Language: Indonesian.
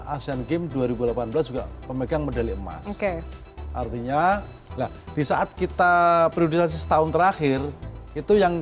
asean games dua ribu delapan belas juga pemegang medali emas artinya lah di saat kita prioritas setahun terakhir itu yang